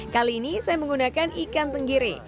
kali ini saya menggunakan ikan tenggiri